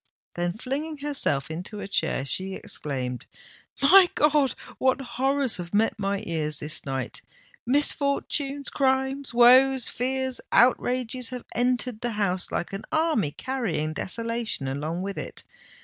Then flinging herself into a chair, she exclaimed, "My God! what horrors have met my ears this night! Misfortunes—crimes—woes—fears—outrages have entered the house, like an army carrying desolation along with it!